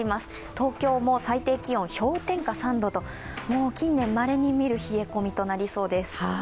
東京も最低気温氷点下３度と近年まれに見る冷え込みとなりそうです。